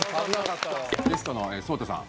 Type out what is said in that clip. ゲストのＳＯＴＡさん